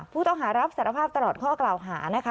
ผู้ต้องหารับสารภาพตลอดข้อกล่าวหานะคะ